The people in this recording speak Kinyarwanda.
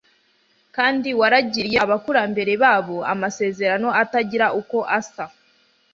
kandi waragiriye abakurambere babo amasezerano atagira uko asa